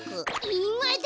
いまだ！